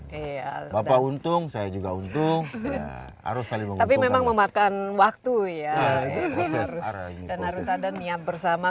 ya bapak untung saya juga untuk harus saling tapi memang memakan waktu ya harus ada niat bersama